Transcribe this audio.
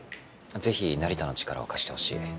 ぜひ成田の力を借してほしい。